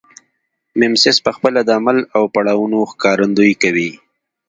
میمیسیس پخپله د عمل او پړاوونو ښکارندویي کوي